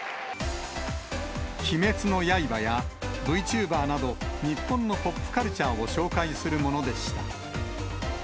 鬼滅の刃やＶチューバーなど、日本のポップカルチャーを紹介するものでした。